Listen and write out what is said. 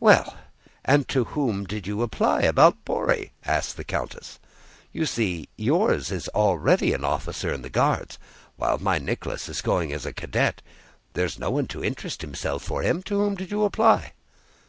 "Well, and to whom did you apply about Bóry?" asked the countess. "You see yours is already an officer in the Guards, while my Nicholas is going as a cadet. There's no one to interest himself for him. To whom did you apply?"